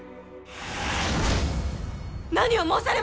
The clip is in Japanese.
何を申されます！